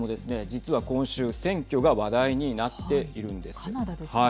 実は今週、選挙が話題になっているんです。